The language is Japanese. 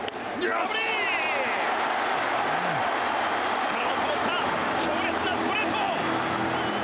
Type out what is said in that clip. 力のこもった強烈なストレート。